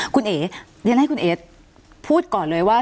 คุณเอ๋เรียนให้คุณเอ๋พูดก่อนเลยว่า